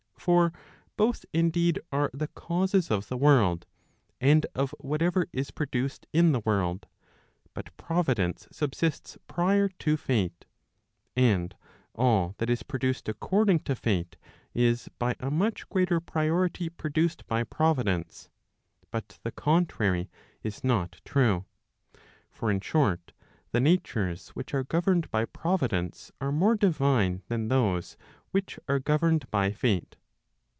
For both indeed are the causes of the world, and of whatever is produced in the world, but Providence subsists prior to Fate; and all that is produced according to Fate, is by a much greater priority produced by Providence, but the contrary is not true; for in short,' the natures which are governed by Providence are more divine than those which are governed by Fate.